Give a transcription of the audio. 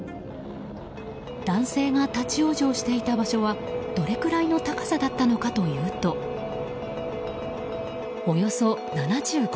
男性が立ち往生していた場所はどれくらいの高さだったのかというとおよそ７５ｍ。